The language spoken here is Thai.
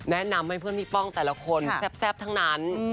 แนะนำให้เพื่อนพี่ป้องแต่ละคนแซ่บทั้งนั้น